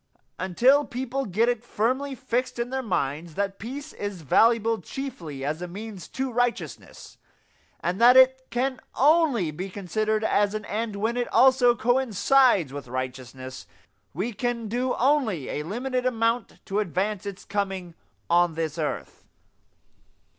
Until people get it firmly fixed in their minds that peace is valuable chiefly as a means to righteousness, and that it can only be considered as an end when it also coincides with righteousness, we can do only a limited amount to advance its coming on this earth.